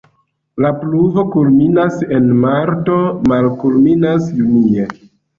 La pluvo kulminas en marto, malkulminas junie.